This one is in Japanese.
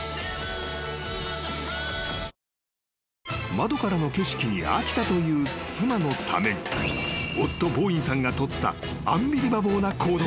［窓からの景色に飽きたという妻のために夫ボーインさんが取ったアンビリバボーな行動］